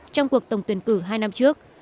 trong cuộc tổng tuyển cử hai năm trước